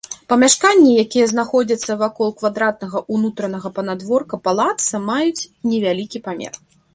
Памяшканні, якія знаходзяцца вакол квадратнага ўнутранага панадворка палацца, маюць невялікі памер.